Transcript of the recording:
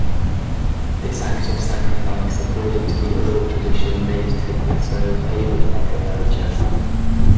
This act of sacrifice, according to the oral tradition made Tegbessou favored by Agaja.